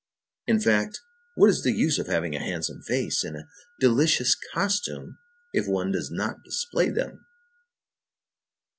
In fact, what is the use of having a handsome face and a delicious costume if one does not display them?